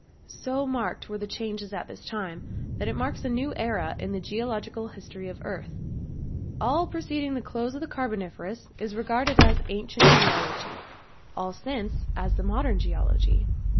So marked were the changes at this time that it marks a new era in the geological history of the earth. All preceding the close of the Carboniferous is regarded as ancient geology; all since then as modern geology.